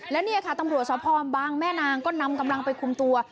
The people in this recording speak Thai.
และนี่ค่ะตำรวจสภบางแม่นางก็นำกำลังไปคุมตัว